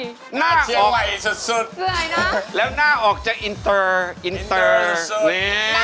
อุ้ยน่าเชื่อไหวสุดแล้วหน้าออกจะอินเตอร์นั่งฝา